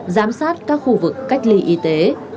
giám sát các khu vực cách ly y tế